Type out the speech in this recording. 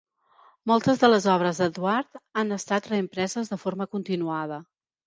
Moltes de les obres d"Edward han estat reimpreses de forma continuada.